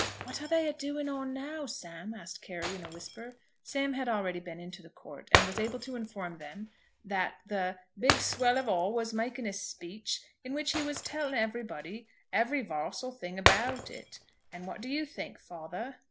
"What are they a'doing on now, Sam?" asked Carry, in a whisper. Sam had already been into the court, and was able to inform them that the "big swell of all was making a speech, in which he was telling everybody every 'varsal thing about it. And what do you think, father?"